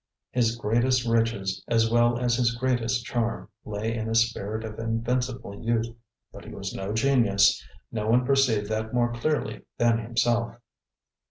His greatest riches, as well as his greatest charm, lay in a spirit of invincible youth; but he was no genius, no one perceived that more clearly than himself.